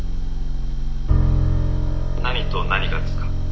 「何と何がですか？」。